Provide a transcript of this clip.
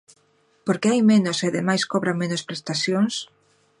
¿Por que hai menos e ademais cobran menos prestacións?